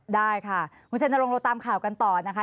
ได้ค่ะคุณเชนตรงโลตามข่าวกันต่อนะคะ